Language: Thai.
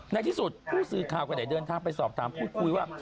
ในที่สุดผู้สื่อข่าวก็ได้เดินทางไปสอบถามพูดคุยว่า